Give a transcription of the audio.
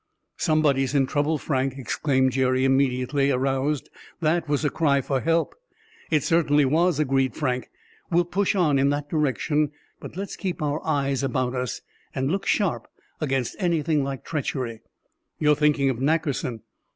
"Somebody's in trouble, Frank!" exclaimed Jerry, immediately aroused. "That was a cry for help!" "It certainly was," agreed Frank. "We'll push on in that direction; but let's keep our eyes about us, and look sharp against anything like treachery." "You're thinking of Nackerson?"